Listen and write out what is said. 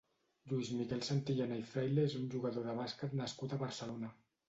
Lluís Miquel Santillana i Fraile és un jugador de bàsquet nascut a Barcelona.